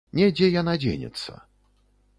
Не дзе яна дзенецца.